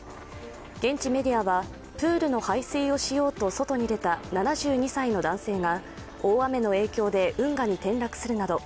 現地メディアは、プールの排水をしようと外に出た７２歳の男性が大雨の影響で運河に転落するなど